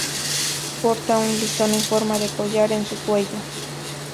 Porta un listón en forma de collar en su cuello.